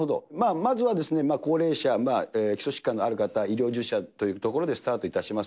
まずはですね、高齢者、基礎疾患のある方、医療従事者というところでスタートいたします。